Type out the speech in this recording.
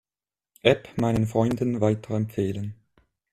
App meinen Freunden weiterempfehlen.